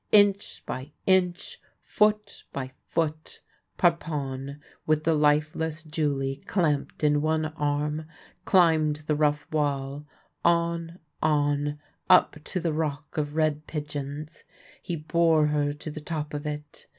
Inch by inch, foot by foot, Parpon, with the lifeless Julie clamped in one arm, climbed the rough wall, on, on, up to the Rock of Red Pigeons. He bore her to the top of it.